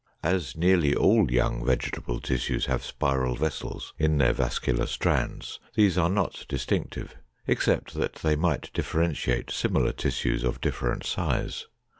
As nearly all young vegetable tissues have spiral vessels in their vascular strands, these are not distinctive, except that they might differentiate similar tissues of different size.